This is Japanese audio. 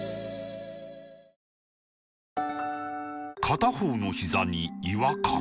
片方のひざに違和感